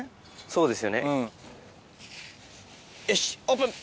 そうですよねよし。